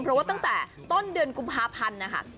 เพราะว่าตั้งแต่ต้นเดือนกุมภาพันธ์นะคะ